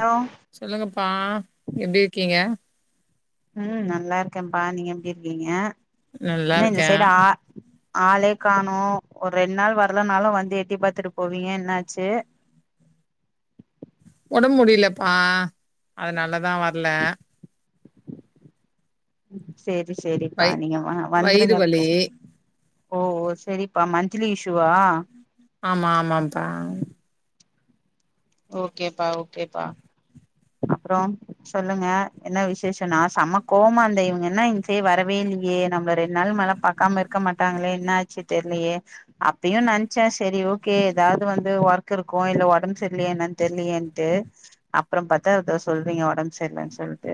Allow சொல்லுங்கப்பா எப்டி இருக்கீங்க ம் நல்லா இருக்கேம்ப்பா நீங்க எப்டி இருக்கீங்க நல்லா என்ன இந்த இருக்கே. சைடு ஆ ஆளே காணு ஒரு ரெண்டு நாள் வரலனாலு வந்து எட்டி பாத்துட்டு போவீங்க என்னாச்சு ஒஞம்பு முடியலப்பா அதுனாலதா வர்ல செரி செரிப்பா வய் நீங்க வ வயிறு வந்துருங்கக்கோ வலி. ஓ செரிப்பா மந்த்லி இஷூவா ஆமா ஆமாம்ப்பா ஓகேப்பா ஓகேப்பா அப்றம் சொல்லுங்க என்ன விசேஷ நா சம கோவ மா இர்ந்த இவுங்க என்ன இந் சைட் வர வேல்லியே நம்மள ரெண்டு நாள் மேல பாக்காம இருக்க மாட்டாங்களே என்ன ஆச்சு தெர்ல்லியே அப்பயு நினைச்சே செரி ஓகே ஏதாது வந்து ஒர்க் இருக்கு இல்ல உடம்பு சரியலையா என்னனு தெரிலயேன் ட்டு அப்ற பத்தா தோ சொல்றீங்க ஒடம்பு சரிலன்னு சொல்ட்டு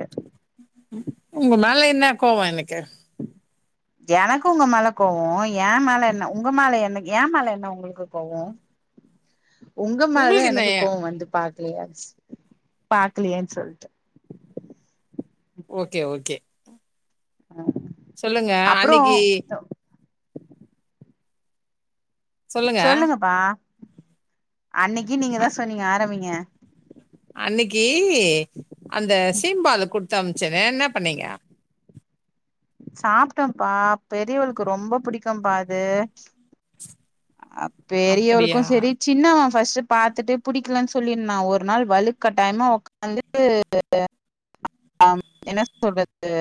உங்க மேல என்ன கோவ எனக்கு எனக்கு உங்க மேல கோவ ஏ மேல என்ன உங்க மேல என்ன எ மேல என்ன உங்களுக்கு கோவோ ஒங்க மேலதா உங்களுக்கு என்ன எனக்கு ஏ கோவோ வந்து பாக் லியான்ஸ் பாக்லியேன் சொல்ட்டு ஓகே ஓகே ஆ சொல்லுங்க அன்னிக்கி சொல்லுங்க. சொல்லுங்கப்பா அன்னிக்கு நீங்க தா சொன்னீங்க ஆரம்பிங்க அன்னிக்கு அந்த சீம்பால கொடுத்து அம்ச்சனெ என்ன பண்ணீங்க சாப்ட்டொம்ப்பா பெரியவளுக்கு ரொம்ப புடிக்கும்பா அது அ பெரியவளுக்கு அப்படியா? செரி சின்னவ ஃபஸ்ட்டு பாத்துட்டு புடிக்கலன்னு சொல்லிருன்னா ஒரு நாள் வழுக்கட்டாயமா உக் வந்துட்டு அ என்ன சொல்றது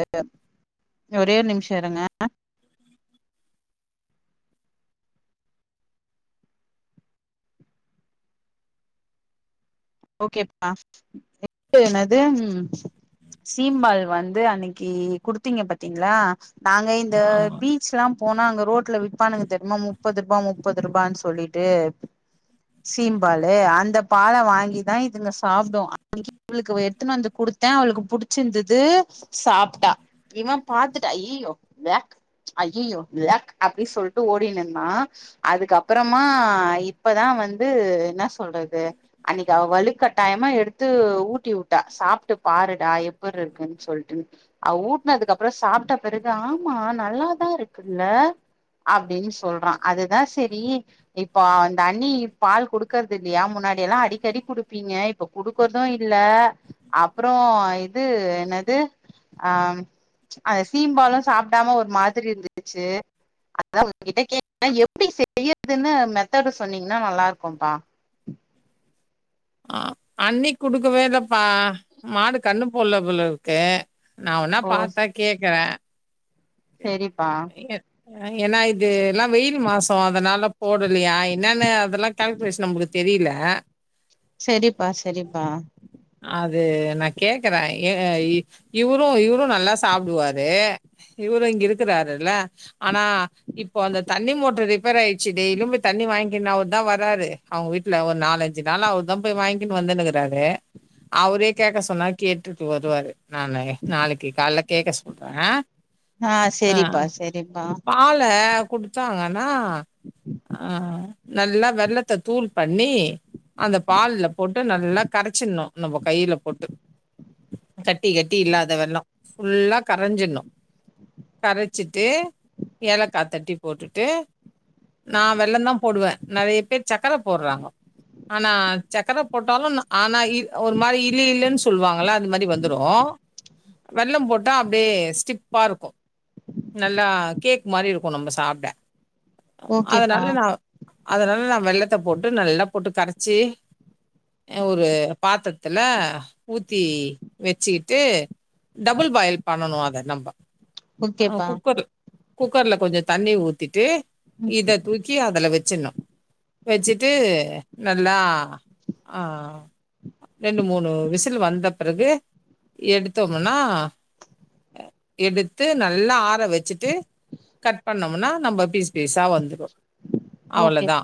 ஒரே நிம்ஷ இருங்க ஓகேப்பா எ என்னது ம் சீம்பால் வந்து அன்னைக்கு குடுத்தீங்க பாத்தீங்ளா நாங்க இந்த ஆமா. பீ ஸ்ல்லா போனா அங்க ரோட்ல விப்பானுங்க தெரிமா முப்பதுருபா முப்பதுருபானு சொல்லிட்டு சீம்பாலு அந்த பால வாங்கி தா இதுங்க சாப்டு அனைக்கு இள்க்கு எடுத்துன்னு வந்து கொடுத்தே அவளுக்கு புடிச்சிருந்தது சாப்ட்டா இவன் பாத்துட்டு அய்யய்யோ ஒவக் அய்யய்யோ ஒவக் அப்டின்னு சொல்ட்டு ஓடினுந்தா அதுக்கப்பறமா இப்பதா வந்து இன்னா சொல்றது அன்னைக்கு அவ வலுக்கட்டாயமா எடுத்து ஊட்டி உட்டா சாப்ட்டு பாருடா எப்புர்ருருக்குன்னு சொல்ட்டுன் அவ ஊட்னதுக்கப்பற சாப்ட்ட பெறகு ஆமா நல்லாதா இருக்குல்ல அப்டின் சொல்றா அதுதா செரி இப்ப அந்த அண்ணி பால் குடுக்கறதில்லையா முன்னாடில்லா அடிக்கடி குடுப்பீங்க இப்ப குடுக்கற்து இல்ல அப்புற இது என்னது அம் அத சீம்பாலும் சாப்டாம ஒரு மாதிரி இருந்துச்சு அதா ஒங்ககிட்ட கேட்ட எப்டி செய்யறதுன்னு மெத்தடு சொன்னீங்கன்னா நல்லாருக்கும்பா அ அண்ணி குடுக்கவேலப்பா மாடு கண்ணு போல்ல போலருக்கு நா வோனா ஓ பாத்தா கேக்கற செரிப்பா ஏன் ஏன்னா இதுலா வெயில் மாசொ அதனால போடலையா என்னான்னு அதலா கால்குலேசன் நம்முக்கு தெரியில செரிப்பா செரிப்பா அது நா கேக்கற ஏ இவுரும் இவுரும் நல்லா சாப்டுவாரு இவுரு இங்க இருக்கிறாருல்ல ஆனா இப்போ அந்த தண்ணி மோட்ரு ரிப்பேராயிர்ச்சி டெய்லியும் போய் தண்ணி வாங்கிக்கின் அவுர்தா வராரு அவுங்க வீட்ல ஒரு நாலஞ்சு நாளா அவர்தா போய் வாங்கிக்னு வந்துனுக்றாரு அவுரே கேக்க சொன்னா கேட்டுட்டு வருவாரு நானு நாளக்கி கால்ல கேக்க சொல்ற ஆ செரிப்பா செரிப்பா பால குடுத்தாங்கன்னா அ நல்லா வெள்ளத்த தூள் பண்ணி அந்த பால்ல போட்டு நல்லா கரேச்சிட்ணு நம்ம கையில போட்டு கட்டி கட்டி இல்லாத வெல்லம் ஃபுல்லா கரைஞ்சிட்ணு கரைச்சிட்டு ஏலக்காத் தட்டி போட்டுட்டு நா வெள்ளந்தா போடுவ நெறைய பேர் சக்கர போட்றாங்கோ ஆனா சக்கர போட்டாலும் நா ஆனா ஒரு மாரி இலு இலுன் சொல்லுவாங்கள அது மாரி வந் துரோ வெள்ளம் போட்டா அப்டியே ஸ்டிப்பாருக்கு நல்லா கேக் மாரிருக்கு நம்ப சாப்ட ஓகேப்பா அதனால நா அதனால நா வெள்ளத்த போட்டு நல்லா போட்டு கரச்சி அ ஒரு பாத்ரத்துல ஊத்தி வச்சிகிட்டு டபுள் பாயில் பண்ணனும் அத நம்ம ஆ ஓகேப்பா குக்கர்ல குக்கர்ல கொஞ்சம் தண்ணி ஊத்திட்டு ம் இத தூக் தி அதுல வச்சுட்ணும் வச்சுட்டு நல்லா ஆ ரெண்டு மூணு விசில் வந்த பிறகு எடுத்தோம்னா எடுத்து நல்லா ஆற வச்சுட்டு கட் பண்ணோம்னா நம்ப பீஸ் பீஸா வந்துரும் ஓகே அவ்ளதா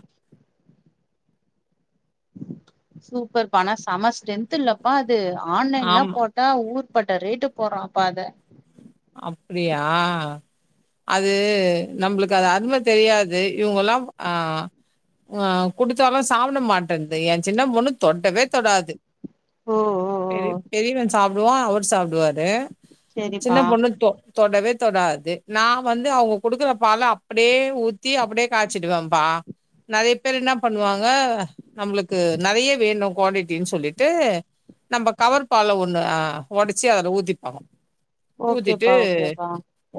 சூப்பர்ப்பா ஆனா செம ஸ்ட்ரென்த்துல்லப்பா அது ஆன்லைன்லாம் ஆமா போட் ட்டா ஊர் பட்ட ரேட்டு போற்றம்ப்பா அத அப்டியா அது நம்புளுக்கு அது அரும தெரியாது இவுங்கல்லாம் ஆ அ குடுத்தாலும் சாப்ட மாட்டன்து என் சின்ன பொண்ணு தொடவே தொடாது ஓ ஓ பெரி ஓ பெரியவ சாப்டுவா அவர் சாப்டுவாரு செரிப்பா சின்ன பொண்ணுத்தோ தொடவே தொடாது நா வந்து அவுங்க குடுக்குற பால அப்டியே ஊத்தி அப்டியே காச்சிடுவம்ப்பா நெறைய பேர் இன்னா பண்ணுவாங்க நம்ளுக்கு நெறைய வேணு குவான்டிடின் சொல்லிட்டு நம்ப கவர் பால ஒன்னு ஒடச்சி அதுல ஊத்திப்பொ ஊத்திட்டு ஓகேப்பா ஓகேப்பா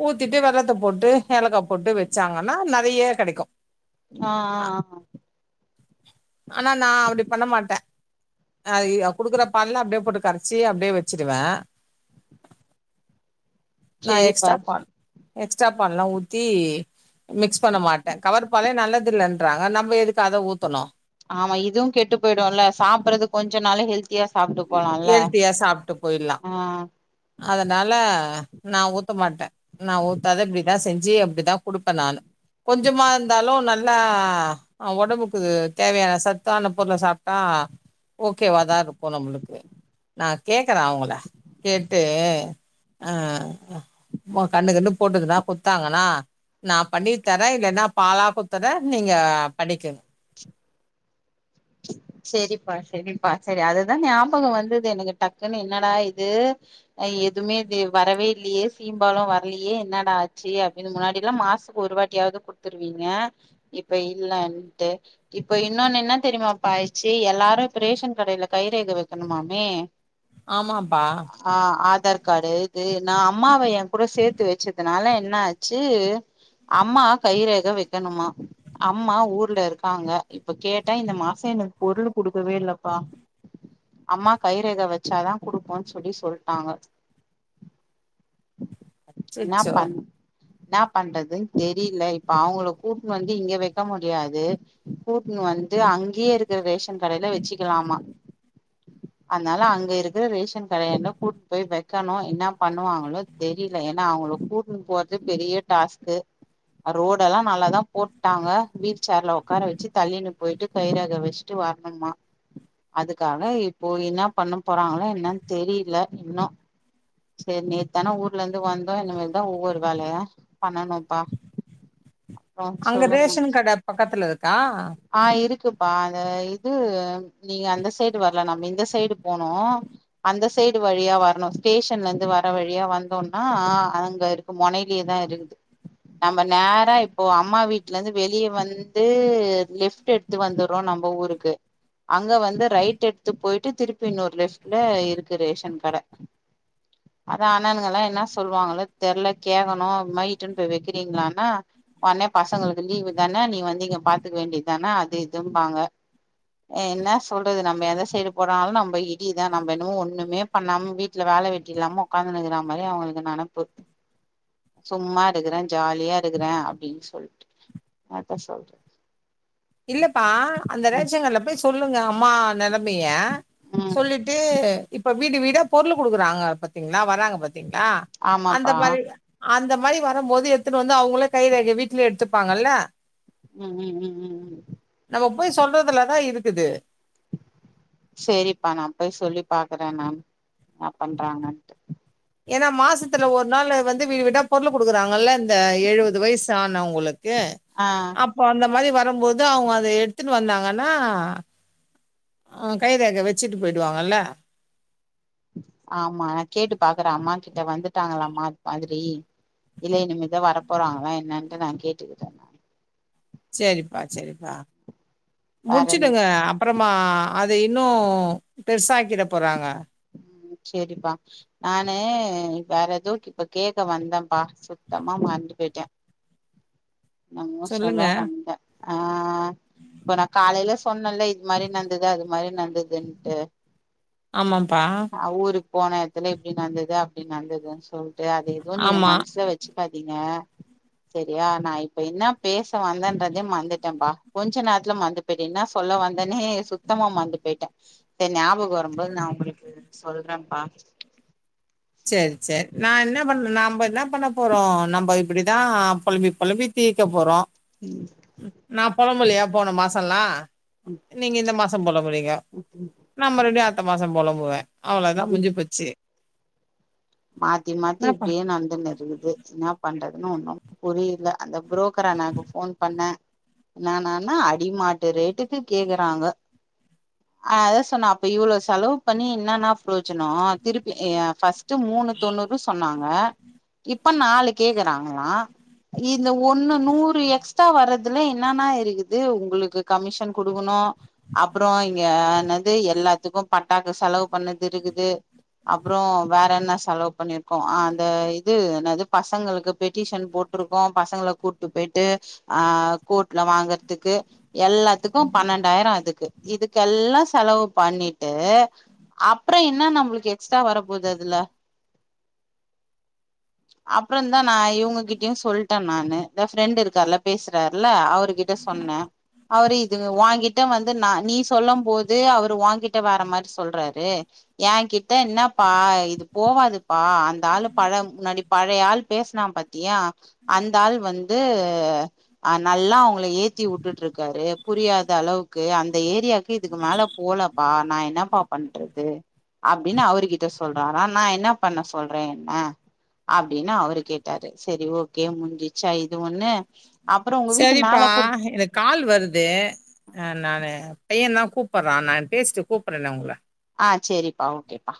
ஊத்திட்டு வெள்ளத்த போட்டு ஏலக்கா போட்டு வெச்சாங்கன்னா நெறையா கெடைக்கு ஆ ஆ ஆனா நா அப்படி பண்ண மாட்டே நாளைக்கு குடுக்குற பால்ல அப்டியே போட்டு கரச்சி அப்டியே வச்சிடுவே நா செரிப்பா எக்ஸ்ட்ரா பால் எக்ஸ்ட்ரா பால்லா ஊத்தி மிக்ஸ் பண்ண மாட்டே கவர் பாலே நல்லது இல்லேன்றாங்க நம்ம எதுக்கு அத ஊத்தணு ஆமா இதுவு கெட்டு போயிடும்ல்ல சாப்படுறது கொஞ்ச நாளும் ஹெல்த் ஹெல்த்தியா சாப்பிட்டு போயிட்லா ஆ அதனால நா ஊத்த மாட்டே நா ஊத்தாத இப்டிதா செஞ்சு அப்டிதா குடுப்பேன் நானு கொஞ்சமா இருந்தாலும் நல்லா ஆ ஒடம்புக்கு தேவையான சத்தான பொருள சாப்ட்டா ஓகேவா தா இருக் கும் நம்ளுக்கு நா கேக்குறே அவுங்கள கேட்டு அ கன்னு கின்னு போட்டுதுன்னா குத்தாங்கன்னா நா பண்ணி தரே இல்லன்னா பாலா குத்தரே நீங்க பண்ணிக்குங்க செரிப்பா செரிப்பா செரி அதுதா ஞாபகம் வந்தது எனக்கு டக்குன்னு என்னடா இது எதுவுமே தே வரவே இல்லயே சீம்பாலும் வர்லையே என்னடா ஆச்சு அப்டின்னு முன்னாடில்லாம் மாச ஒரு வாட்டியாவது குடுத்துருவீங்க இப்ப இல்லன்ட்டு இப்ப இன்னோன்னு என்ன தெரியுமாப்பாயச்சு எல்லாரு இப்ப ரேஷன் கடையில கைரேகை வைக்கணுமாமே ஆமாப்பா ஆ ஆதார் கார்டு இது நா அம்மாவை என் கூட சேத்து வச்சதுனால என்ன ஆச்சு அம்மா கைரேக வைக்கணுமா அம்மா ஊர்ல இருக்காங்க இப்ப கேட் டே இந்த மாசொ எனக்கு பொருள் குடுக்கவே இல்லப்பா அம்மா கைரேகை வச்சாதா குடுப்போன்னு சொல்லி சொல்ட்டாங்க என்னா அச்சச்சோ பண் என்னா பண்றதுன் தெரியில இப்ப அவுங்களுக் கூட்ன்னு வந்து இங்க வைக்க முடியாது கூட்ன்னு வந்து அங்கயே இருக்கிற ரேஷன் கடையில வச்சுக்கலாமா அதனால அங்க இருக்கிற ரேஷன் கடையல்ல கூட்டிட்டு போய் வைக்கணு என்ன பண்ணுவாங்களோ தெரியல ஏனா அவுங்கள கூட்ன்னு போறது பெரிய டாஸ்க்கு ரோடல்லா நல்லாதா போட்டாங்க வீல் சேர்ல ஒக்கார வச்சு தள்ளிட் போயிட்டு கைரேக வச்சுட்டு வரனுமா அதுக்காக இப்போ என்ன பண்ண போறாங்களோ என்னன் தெரியல இன்னும் செரி நேத்தானா ஊர்ல இருந்து வந்தோம் இனிமேல் தா ஒவ்வொரு வேலையா பண்ணனும்ப்பா அங்க ரேஷன் கட பக்கத்துல இருக்கா ஆ இருக்குப்பா அது இது நீங்க அந்த சைடு வர்ல நம்ம இந்த சைடு போனோ அந்த சைடு வழியா வரணு ஸ்டேஷன்ல இருந்து வர வழியா வந்தோன்னா அங்க இரு மொனையிலே தா இருக்குது நம்ப நேரா இப்போ அம்மா வீட்ல இருந்து வெளிய வந்து லிஃப் ட்டு எடுத்து வந்துறோ நம்ப ஊருக்கு அங்க வந்து ரைட் எடுத்து போயிட்டு திருப்பி இன்னொரு லெஃப்ட்ல இருக்கு ரேஷன் கட அதா அண்ணணுங்கயெல்லா என்ன சொல்லுவாங்களோ தெர்ல கேக்கணும் இதுமாரி இட்டுன் போய் வெக்கிறீங்ளாண்ணா ஒன்னே பசங்களுக்கு லீவு தான நீ வந்து இங்க பாத்துக்க வேண்டிது தான அது இதும்பாங்க அ இன்னா சொல்றது நம்ப எந்த சைடு போனாலும் நம்ப இடிதா நம்ப என்னமோ ஒண்ணுமே பண்ணாம வீட்ல வேல வெட்டி இல்லாம ஒக்காந்துன்னுருக்கற மாரி அவுங்ளுக்கு நெனப்பு சும்மா இருக்குறேன் ஜாலியா இருக்குறேன் அப்டின் சொல்ட்டு என்த்த சொல்த்து இல்லப்பா அந்த ம் ரேஷன் கட்ல போய் சொல்லுங்க அம்மா நெலம் மிய ம் சொல்லிட்டு இப்ப வீடு வீடா பொருளு குடுக்குறாங்க பாத்தீங்ளா வராங்க பாத்தீங்ளா அந்த ஆமாப்பா மாதிரி அந்த மாரி வரும் போது எட்த்துன்னு வந்து அவுங்களே கை ரேகைய வீட்லயே எத்துப்பாங்கல்ல ம் ம் ம் ம் ம் நம்ம போய் சொல்றதுலதா இருக்குது செரிப்பா நா போய் சொல்லி பாக்குற நானு இன்னா பண்றாங்கன்ட்டு ஏன்னா மாசத்துல ஒரு நாள் வந்து வீடு வீடா பொருளு குடுக்குறாங்கள்ல இந்த எழுவது வயசு ஆனவங்குளுக் ஏன் ஆ அப்போ அந்த மாரி வரும்போது அவங்க அத எடுத்துன்னு வந்தாங்கன்னா அ கைரேக வெச்சிட்டு போயிடுவாங்கள்ல ஆமா நா கேட்டு பாக்குற அம்மா கிட்ட வந்துட்டாங்களா மா அது மாதிரி இல்ல இனிமேதா வர போறாங்ளா என்னன்ட்டு நா கேட்டுக்கிட்டு சேரிப்பா செரிப்பா வேற என்ன முட்ச்சுடுங்க அப்பறமா அத இன்னும் பெருசாக்கிட போறாங்க ம் செரிப்பா நானு வேற எதோ இப்ப கேக்க வந்தேன்ப்பா சுத்தமா மறந்து போய்ட்ட நா என்மோ சொல்லுங்க. சொல்ல வந்த ஆ இப்ப நா காலையில சொன்னல்ல இது மாரி நந்துது அது மாரி நந்துதுன்ட்டு ஆமாம்பா அ ஊருக் போன எத்துல இப்டி நந்துது அப்டி நந்துதுன் சொல்ட்டு அது எதுவும் நீங்க ஆமா. மன்சுல வெச் ச்சுக்காதிங்க செரியா நா இப்ப இன்னா பேச வந்தேன்றதே மந்துட்டேன்ப்பா கொஞ்ச நேர்த்துல மந்துட் இப்ப இன்னா சொல்ல வந்தனே சுத்தமா மற்ந்து போயிட்ட சேர் ஞாபகம் வரும்போது நா உங்குளுக் கு சொல்றேன்ப்பா செர் செர் நா என்ன பண்ண நம்போ என்ன பண்ண போறோம் நம்ப இப் இப்டிதா பொலம்பி பொலம்பி தீ்க்க போறோ ம் நா பொலம்பலையா போன மாசல்லா நீங்க இந்த மாசம் பொலம்புறிங்க நா மறுபடியு அடுத்த மாச பொலம்புவே அவ்ளதா முஞ்சு போச்சு மாத்தி மாத்தி என்னப்பா? இப்டியே நடந்துன் இரு புரியுது இன்னா பண்றதுன் ஒண்ணும் புரியல அந்த புரோக்கர் அண்ணாக்கு ஃபோன் பண்ண இன்னானானா அடிமாட்டு ரேட்டுக்கு கேக்குறாங்க அதா சொன்ன அப்ப இவ்ளோ செலவ் பண்ணி இன்னன்னா ப்ரோஜனு திருப்பி அ ஃபர்ஸ் ட்டு மூண்ணு தொண்ணூறு சொன்னாங்க இப்ப நாலு கேக்குறாங்ளா இந்த ஒன்னு நூறு எக்ஸ்ட்ரா வர்றதுல இன்னன்னா இருக்குது உங்குளுக்கு கமிஷன் குடுக்கணு அப்புறோ இங்க என்னது எல்லாத்துக்கு பட்டாக்கு செலவு பண்ணது இருகுது அப்றோ வேற என்ன செலவு பண்ணிருகோ ஆ அந்த இது என்னது பசங்களுக்கு பெட்டிஷன் போட் போட்ருக்கோ பசங்கள கூட்டு போயிட்டு ஆ கோட்ல வாங்கற்துக்கு எல்லாத்துக்கும் பன்னெண்டாயிரோ அதுக்கு இதுக்கெல்லா செலவு பண்ணிட்டு அப்புற என்ன நம்ளுக்கு எக்ஸ்ட்ரா வரப் போது அதுல அப்புற தா நா இவங்ககிட்டயு சொல்ட்ட நானு இந்த ஃப்ரெண்ட் இருக்கார்ல்ல பேசுறாருல இல்ல அவரு கிட்ட எங்க சொன்ன அவரு இது ஓங்கிட்ட வந்து நா நீ சொல்லும் போது அவரு ஓங்கிட்ட வேற மாரி சொல்றாரு ஏன்கிட்ட என்னப் ப்பா இது போவாதுப்பா அந்த ஆளு பழ முன்னாடி பழைய ஆள் பேசினா பாத்தியா அந்த ஆள் வந்து அ நல்லா அவங்கள ஏத்தி உட்டுட் இருக்காரு புரியாத அளவுக்கு அந்த ஏரியாவுக்கு இதுக்கு மேல போல பா நா என்னப்பா பண்றது அப்டின் அவரு கிட் த்த சொல்றாரா நா என்னா பண்ண சொல்ற என்ன அப்டின் அவரு கேட்டாரு செரி ஓகே முஞ்சிச்சா இது ஒண்ணு அப்புறம் உங்க வீட்டு சரிப்பா மேல கூ எனக் கால் வருது அ நானு பையன் தா கூப்பற்றா நா பேஸ்ட்டு கூப்பற்ற நா உங்ள ஆ செரிப்பா ஓகேப்பா